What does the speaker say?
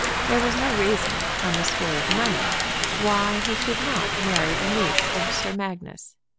There was no reason, on the score of money, why he should not marry the niece of Sir Magnus.